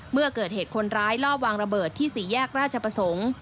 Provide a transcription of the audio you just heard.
เมื่อเกิดเหตุคนร้ายลอบวางระเบิดที่สี่แยกราชประสงค์